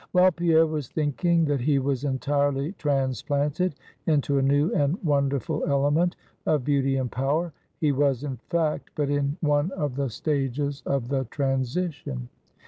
While Pierre was thinking that he was entirely transplanted into a new and wonderful element of Beauty and Power, he was, in fact, but in one of the stages of the transition.